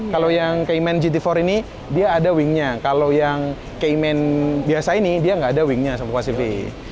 kalau yang cayman gt empat ini dia ada wingnya kalau yang cayman biasa ini dia gak ada wingnya sama kuasivi